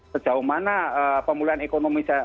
sejauh mana pemulihan ekonomi